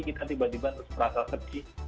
kita tiba tiba terus merasa sedih